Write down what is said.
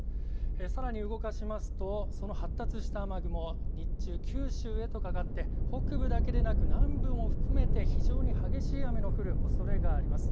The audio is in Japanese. さらに動かしますとその発達した雨雲、日中九州へとかかって、北部だけでなく南部も含めて非常に激しい雨の降るおそれがあります。